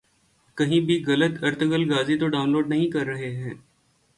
کہیں بھی غلط ارطغرل غازی تو ڈان لوڈ نہیں کر رہے